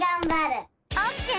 オッケー！